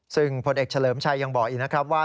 ซึ่งผลเอกเฉลิมชัยยังบอกอีกนะครับว่า